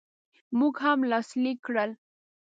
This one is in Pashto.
موږ هم لاسلیک کړل.